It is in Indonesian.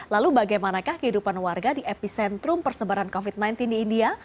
lalu bagaimanakah kehidupan warga di epicentrum persebaran covid sembilan belas di india